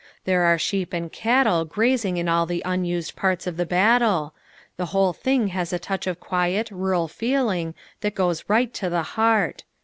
There are sheep and cattle grazing in all the unused parts of the battle, the whole thing has a touch of quiet, rural feeling that goes right to the heart.